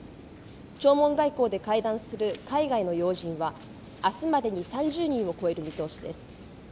弔問外交で外交を行う海外の要人は、明日までに３０人を超える見通しです。